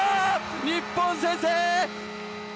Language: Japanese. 日本、先制！